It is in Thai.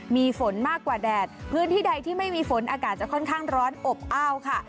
มีฝนมากกว่าแดดพื้นที่ใดที่ไม่มีฝนอากาศจะค่อนข้างร้อนอบอ้าวค่ะ